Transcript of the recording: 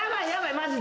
マジで。